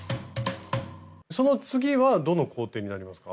その次はどの工程になりますか？